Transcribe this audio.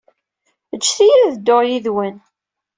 Ǧǧet-iyi ad dduɣ yid-wen.